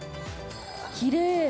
きれい。